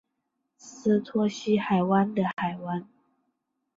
斯旺西海湾的海湾。